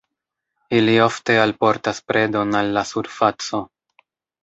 Ili ofte alportas predon al la surfaco.